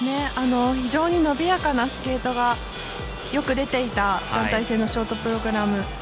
非常に伸びやかなスケートがよく出ていた団体戦のショートプログラム。